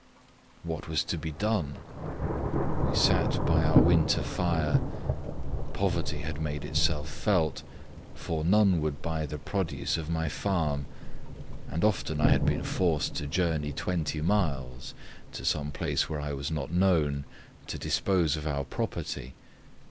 What was to be done? we sat by our winter fire poverty had made itself felt, for none would buy the produce of my farm; and often I had been forced to journey twenty miles, to some place where I was not known, to dispose of our property.